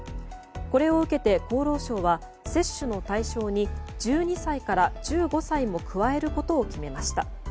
これを受けて厚労省は接種の対象に１２歳から１５歳も加えることを決めました。